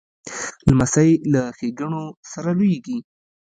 لمسی له ښېګڼو سره لویېږي.